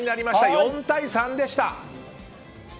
４対３でした。